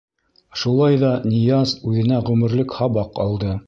Шулай ҙа Нияз үҙенә ғүмерлек һабаҡ алды.